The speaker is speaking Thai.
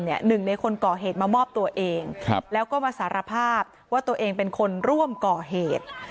หนึ่งในคนก่อเหตุมามอบตัวเองแล้วก็มาสารภาพว่าตัวเองเป็นคนร่วมก่อเหตุ